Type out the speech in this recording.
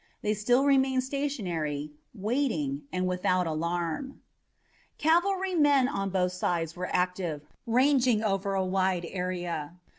They still remained stationary, waiting, and without alarm. Cavalrymen on both sides were active, ranging over a wide area.